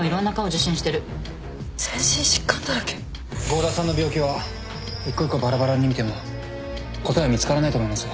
郷田さんの病気は一個一個バラバラに見ても答えは見つからないと思います